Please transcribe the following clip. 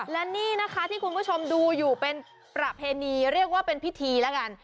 และนี่นะคะที่คุณผู้ชมดูอยู่เป็นประเพณีเรียกว่าเป็นพิธีแล้วกัน